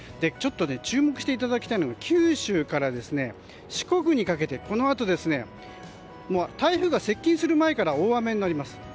注目していただきたいのが九州から四国にかけてこのあと、台風が接近する前から大雨になります。